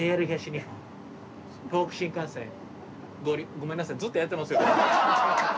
ごめんなさいずっとやってますよこれ。